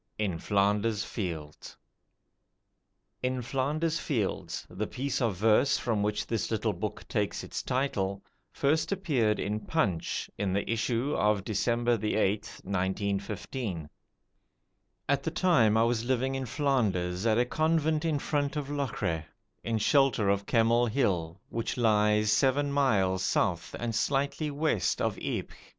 In Flanders Fields "In Flanders Fields", the piece of verse from which this little book takes its title, first appeared in 'Punch' in the issue of December 8th, 1915. At the time I was living in Flanders at a convent in front of Locre, in shelter of Kemmel Hill, which lies seven miles south and slightly west of Ypres.